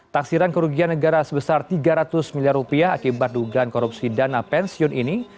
taksiran kerugian negara sebesar tiga ratus miliar rupiah akibat dugaan korupsi dana pensiun ini